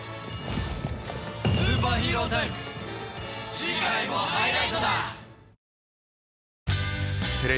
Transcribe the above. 次回もハイライトだ！